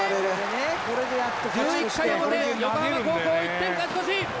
１１回表横浜高校１点勝ち越し！